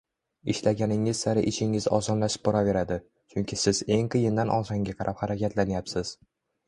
Ishlaganingiz sari ishingiz osonlashib boraveradi, chunki siz eng qiyindan osonga qarab harakatlanayapsiz